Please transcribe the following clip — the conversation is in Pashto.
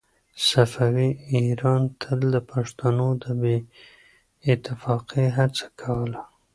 صفوي ایران تل د پښتنو د بې اتفاقۍ هڅه کوله.